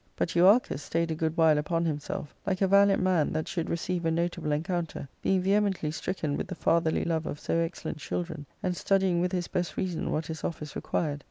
ButEuarchus stayed a good while upon himself, like a valiant man that should receive a notable encounter, being vehe mently stricken with the fatherly love of so excellent children, and studying with his best reason what his ofi&ce required.